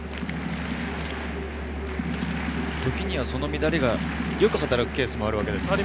時には、その乱れがよく働くケースもあるんですよね。